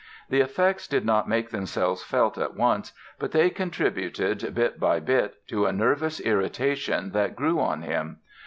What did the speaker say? The effects did not make themselves felt at once but they contributed, bit by bit, to a nervous irritation that grew on him.